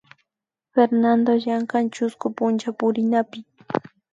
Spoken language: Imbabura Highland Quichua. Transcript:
Fernando llankan chusku punchapurinapi